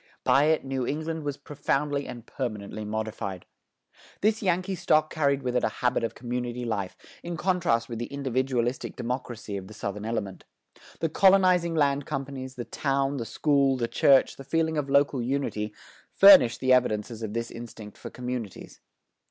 By it New England was profoundly and permanently modified. This Yankee stock carried with it a habit of community life, in contrast with the individualistic democracy of the Southern element. The colonizing land companies, the town, the school, the church, the feeling of local unity, furnished the evidences of this instinct for communities.